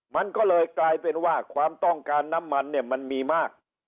มันก็เลยกลายเป็นว่าความต้องการน้ำมันเนี่ยมันมีมาก